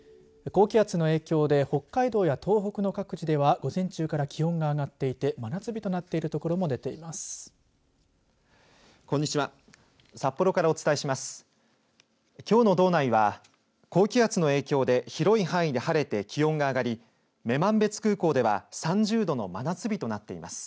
高気圧の影響で北海道や東北の各地では午前中から気温が上がっていて真夏日となっている所も出ています。